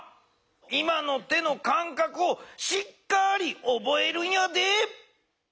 今の手のかんかくをしっかりおぼえるんやで。